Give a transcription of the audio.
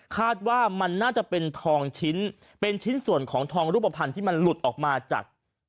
คาดว่ามันน่าจะเป็นทองชิ้นเป็นชิ้นส่วนของทองรูปภัณฑ์ที่มันหลุดออกมาจาก